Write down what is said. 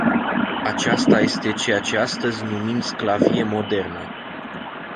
Aceasta este ceea ce astăzi numim sclavie modernă.